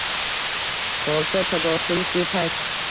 Bolta sadosin shu payt?